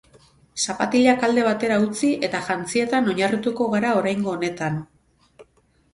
Zapatilak alde batera utzi eta jantzietan oinarrituko gara oraingo honetan.